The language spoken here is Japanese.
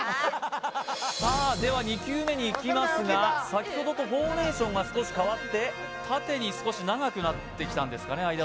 さあでは２球目にいきますが先ほどとフォーメーションが少し変わって縦に少し長くなってきたんですかね